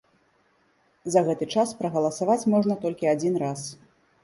За гэты час прагаласаваць можна толькі адзін раз!